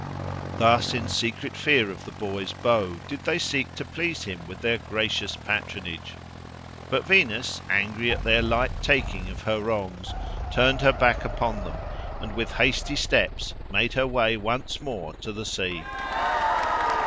Thus, in secret fear of the boy's bow, did they seek to please him with their gracious patronage. But Venus, angry at their light taking of her wrongs, turned her back upon them, and with hasty steps made her way once more to the sea.